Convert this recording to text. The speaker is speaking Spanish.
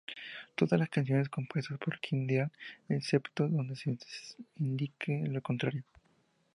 Todas las canciones compuestas por Kim Deal, excepto donde se indique lo contrario.